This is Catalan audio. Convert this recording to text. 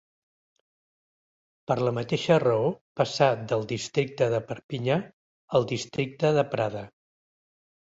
Per la mateixa raó passà del districte de Perpinyà al districte de Prada.